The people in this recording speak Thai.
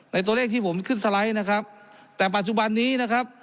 ตัวเลขที่ผมขึ้นสไลด์นะครับแต่ปัจจุบันนี้นะครับ